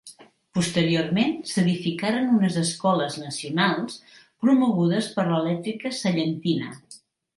Posteriorment s'edificaren unes escoles Nacionals promogudes per l'Elèctrica Sallentina.